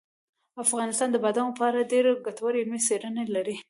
افغانستان د بادامو په اړه ډېرې ګټورې علمي څېړنې لري.